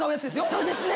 そうですね。